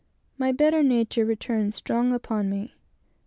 My better nature returned strong upon me.